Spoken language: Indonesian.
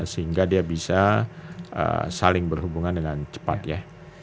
sehingga dia bisa saling berhubungan dengan cepat ya